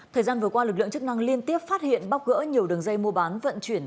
thời gian vừa qua lực lượng chức năng liên tiếp phát hiện bóc gỡ nhiều đường dây mua bán vận chuyển